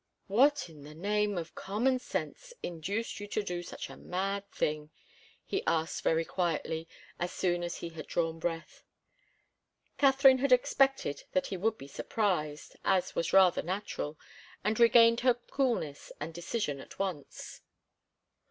"What in the name of common sense induced you to do such a mad thing?" he asked very quietly, as soon as he had drawn breath. Katharine had expected that he would be surprised, as was rather natural, and regained her coolness and decision at once.